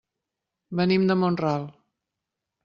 Venim de Mont-ral.